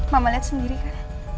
mama liat sendiri kak